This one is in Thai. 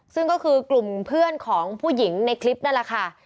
ซึ่งก็คือกลุ่มเพื่อนของผู้หญิงในคลิปนั่นแหละค่ะ